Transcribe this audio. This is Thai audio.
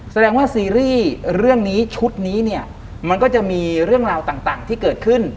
แสดงว่าซีรีส์เรื่องนี้ชุดนี้เนี่ยมันก็จะมีเรื่องราวต่างที่เกิดขึ้น